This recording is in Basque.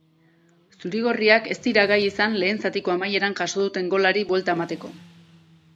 Zuri-gorriak ez dira gai izan lehen zatiko amaieran jaso duten golari buelta emateko.